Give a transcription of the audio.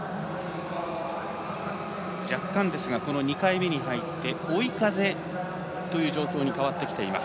若干ですが２回目に入って追い風という状況に変わってきています。